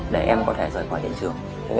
để em có thể rời khỏi hiện trường